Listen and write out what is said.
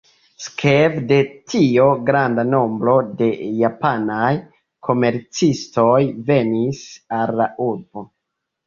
Sekve de tio granda nombro da japanaj komercistoj venis al la urbo.